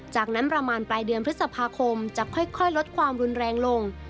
จากนั้นประมาณปลายเดือนพฤษภาคมจะค่อยลดความรุนแรงลง